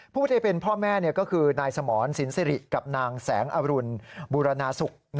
ผู้ที่เป็นพ่อแม่ก็คือนายสมรสินสิริกับนางแสงอรุณบูรณสุข